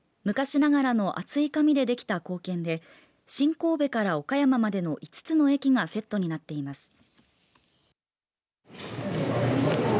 昔ながらの厚い紙でできた硬券で新神戸から岡山までの５つの駅がセットになっています。